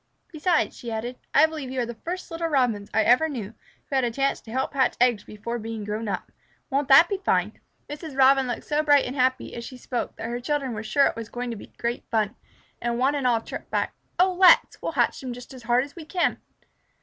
Besides," she added, "I believe you are the first little Robins I ever knew who had a chance to help hatch eggs before being grown up. Won't that be fine?" Mrs. Robin looked so bright and happy as she spoke that her children were sure it was going to be great fun, and one and all chirped back, "Oh, let's! We'll hatch them just as hard as we can."